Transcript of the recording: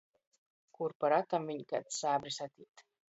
Kur pa ratam viņ kaids sābris atīt.